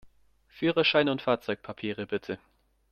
Führerschein und Fahrzeugpapiere, bitte!